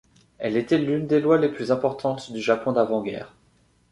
Elle était l'une des lois les plus importantes du Japon d'avant-guerre.